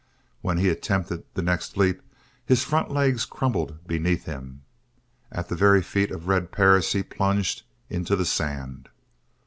When he attempted the next leap his front legs crumbled beneath him. At the very feet of Red Perris he plunged into the sand.